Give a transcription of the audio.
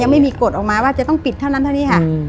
ไม่มีกฎออกมาว่าจะต้องปิดเท่านั้นเท่านี้ค่ะ